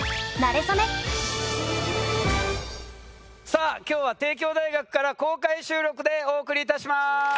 さあ今日は帝京大学から公開収録でお送りいたします。